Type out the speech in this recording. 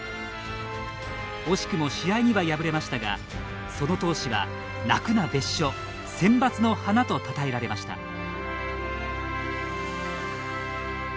惜しくも試合には敗れましたがその闘志は「泣くな別所センバツの花」とたたえられました。